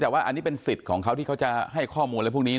แต่ว่าอันนี้เป็นสิทธิ์ของเขาที่เขาจะให้ข้อมูลอะไรพวกนี้